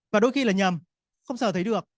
và đôi khi là nhầm không sợ thấy được